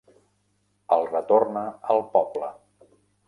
El retorna al poble.